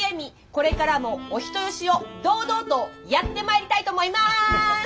これからもお人よしを堂々とやってまいりたいと思います！